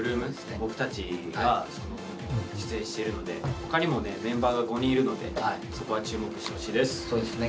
僕たちが出演してるのでほかにもメンバーが５人いるのでそこは注目してほしいですそうですね